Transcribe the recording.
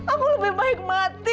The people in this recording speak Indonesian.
aku lebih baik mati